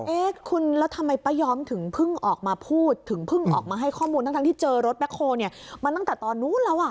เอ๊ะคุณแล้วทำไมป้ายอมถึงเพิ่งออกมาพูดถึงเพิ่งออกมาให้ข้อมูลทั้งที่เจอรถแบ็คโฮเนี่ยมาตั้งแต่ตอนนู้นแล้วอ่ะ